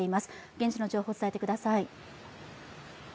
現地の情報を伝えてください。